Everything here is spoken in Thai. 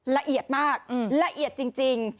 ละเอียดมากละเอียดจริง